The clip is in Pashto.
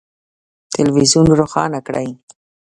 تلویزون روښانه کړئ